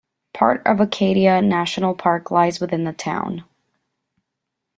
Part of Acadia National Park lies within the town.